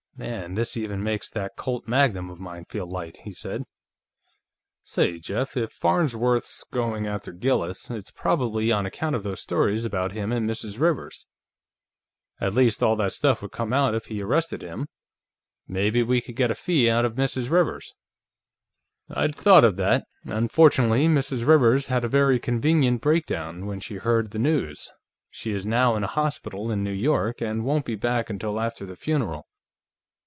"Man, this even makes that Colt Magnum of mine feel light!" he said. "Say, Jeff, if Farnsworth's going after Gillis, it's probably on account of those stories about him and Mrs. Rivers. At least, all that stuff would come out if he arrested him. Maybe we could get a fee out of Mrs. Rivers." "I'd thought of that. Unfortunately, Mrs. Rivers had a very convenient breakdown, when she heard the news; she is now in a hospital in New York, and won't be back until after the funeral.